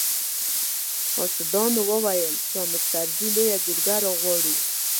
حاسدانو ويل چې حامد کرزي لويه جرګه راغواړي.